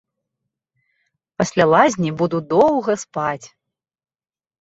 Пасля лазні буду доўга спаць.